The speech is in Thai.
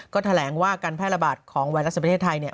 ก็แถลงว่าการแพร่ระบาดของไวรัสในประเทศไทยเนี่ย